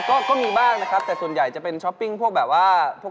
ก็ก็มีบ้างนะครับแต่ส่วนใหญ่จะเป็นช้อปปิ้งพวกแบบว่าพวก